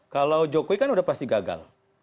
kalau jokowi kan udah pasti gagal